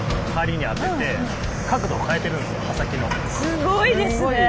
すごいですね。